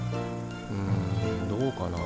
んどうかな。